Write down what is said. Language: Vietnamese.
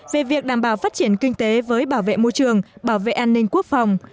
về việc đảm bảo phát triển kinh tế với bảo vệ môi trường bảo vệ an ninh quốc phòng